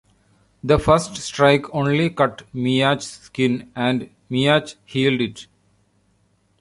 The first strike only cut Miach's skin and Miach healed it.